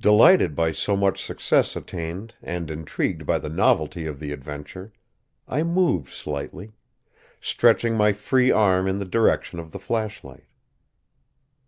Delighted by so much success attained and intrigued by the novelty of the adventure, I moved slightly, stretching my free arm in the direction of the flashlight.